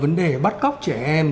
vấn đề bắt cóc trẻ em